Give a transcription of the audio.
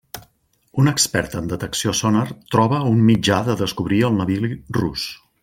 Un expert en detecció sonar troba un mitjà de descobrir el navili rus.